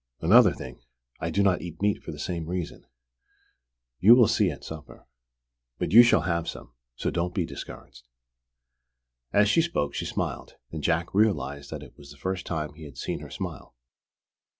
Another thing: I do not eat meat for the same reason. You will see, at supper. But you shall have some, so don't be discouraged!" As she spoke, she smiled, and Jack realized that it was the first time he had seen her smile.